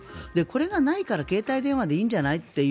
これがないから携帯電話でいいんじゃないって